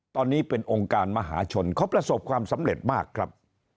ตอนนี้เป็นองค์การมหาชนเขาประสบความสำเร็จมากครับ